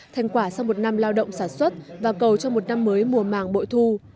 thành quả sau một năm lao động sản xuất và cầu cho một năm mới mùa màng bội thu